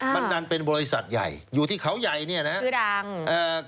มันดันเป็นบริษัทใหญ่อยู่ที่เขาใหญ่เนี่ยนะฮะชื่อดังเอ่อ